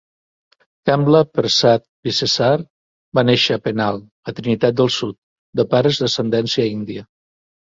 Kamla Persad-Bissessar va néixer a Penal, a Trinitat del Sud, de pares d'ascendència índia.